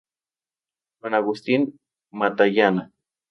Juan Agustín Matallana.